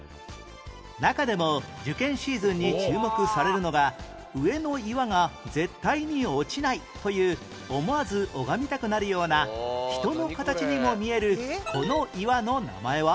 中でも受験シーズンに注目されるのが上の岩が絶対に落ちないという思わず拝みたくなるような人の形にも見えるこの岩の名前は？